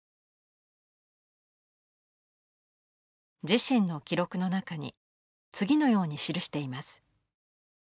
自身の記録の中に次のように記しています。